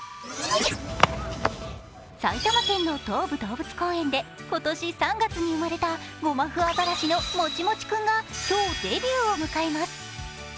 埼玉県の東武動物公園で今年３月に生まれたゴマフアザマラシのもちもち君が今日、デビューを迎えます。